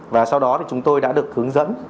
và sau đó chúng tôi đã được hướng dẫn